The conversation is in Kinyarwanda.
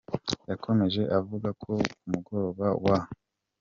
Yakomeje avuga ko ku mugoroba wa St.